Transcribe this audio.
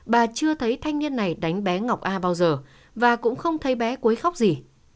bà chưa thấy thanh niên này đánh bé ngọc a bao giờ và cũng không thấy bé quấy khóc gì